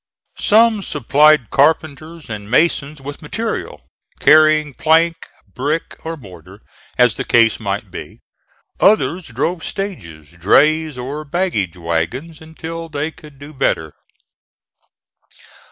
Some supplied carpenters and masons with material carrying plank, brick, or mortar, as the case might be; others drove stages, drays, or baggage wagons, until they could do better.